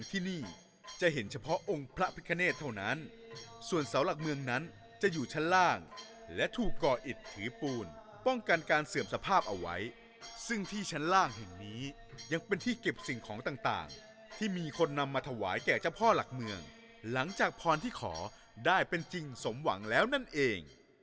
ที่นี่จะเห็นเฉพาะองค์พระพิคเนธเท่านั้นส่วนเสาหลักเมืองนั้นจะอยู่ชั้นล่างและถูกก่ออิดถือปูนป้องกันการเสื่อมสภาพเอาไว้ซึ่งที่ชั้นล่างแห่งนี้ยังเป็นที่เก็บสิ่งของต่างที่มีคนนำมาถวายแก่เจ้าพ่อหลักเมืองหลังจากพรที่ขอได้เป็นจริงสมหวังแล้วนั่นเอง